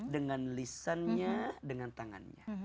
dengan lisannya dengan tangannya